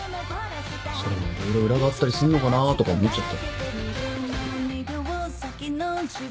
それも色々裏があったりすんのかなぁとか思っちゃって。